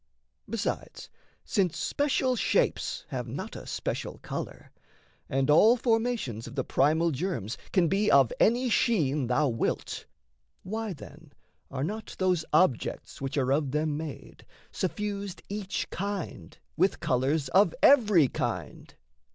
Besides, Since special shapes have not a special colour, And all formations of the primal germs Can be of any sheen thou wilt, why, then, Are not those objects which are of them made Suffused, each kind with colours of every kind?